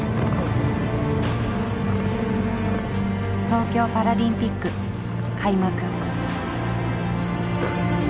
東京パラリンピック開幕。